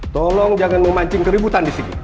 tolong jangan memancing keributan disini